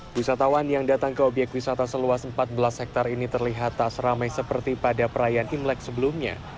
wisatawan yang datang ke obyek wisata seluas empat belas hektare ini terlihat tak seramai seperti pada perayaan imlek sebelumnya